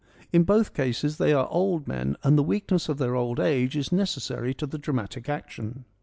In both cases they are old men, and the weakness of their old age is necessary to the dramatic action.